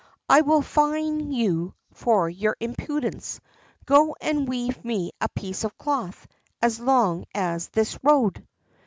I will fine you for your impudence. Go and weave me a piece of cloth as long as this road."